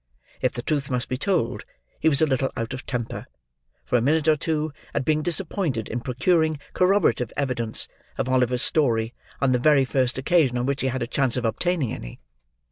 If the truth must be told, he was a little out of temper, for a minute or two, at being disappointed in procuring corroborative evidence of Oliver's story on the very first occasion on which he had a chance of obtaining any.